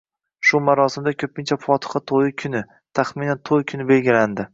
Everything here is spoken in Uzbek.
Shu marosimda ko’pincha fotiha to’yi kuni, taxminan to’y kuni belgilanadi.